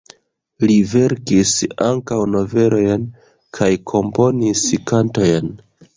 Li verkis ankaŭ novelojn kaj komponis kantojn.